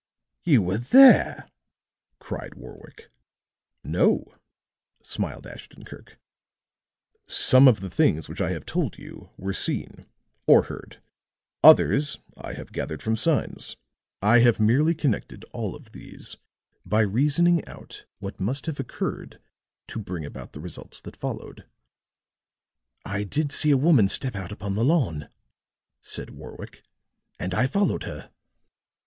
"You were there!" cried Warwick. "No," smiled Ashton Kirk. "Some of the things which I have told you were seen, or heard. Others I have gathered from signs. I have merely connected all of these by reasoning out what must have occurred to bring about the results that followed." "I did see a woman step out upon the lawn," said Warwick, "and I followed her."